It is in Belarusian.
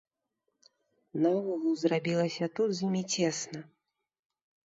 Наогул зрабілася тут з імі цесна.